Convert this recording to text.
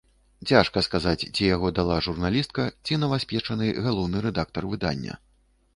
Цяжка сказаць, ці яго дала журналістка, ці новаспечаны галоўны рэдактар выдання.